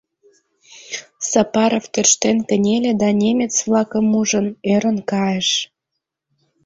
Сапаров тӧрштен кынеле да, немец-влакым ужын, ӧрын кайыш.